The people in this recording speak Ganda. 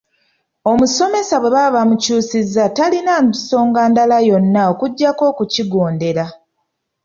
Omusomesa bwe baba bamukyusizza talina nsonga ndala yonna okuggyako okukigondera.